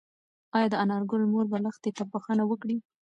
ايا د انارګل مور به لښتې ته بښنه وکړي؟